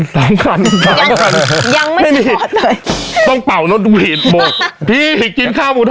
อ๋อเรียกลูกค้านิดนึงช่วงแรก